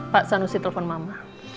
pak sanusi telpon mama